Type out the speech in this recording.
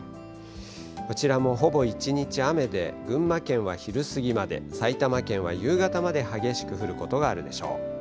こちらもほぼ一日雨で、群馬県は昼過ぎまで、埼玉県は夕方まで激しく降ることがあるでしょう。